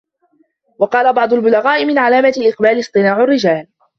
وَقَالَ بَعْضُ الْبُلَغَاءِ مِنْ عَلَامَةِ الْإِقْبَالِ اصْطِنَاعُ الرِّجَالِ